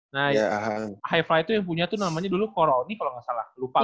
nah high fly tuh yang punya tuh namanya dulu koroni kalo gak salah lupa kok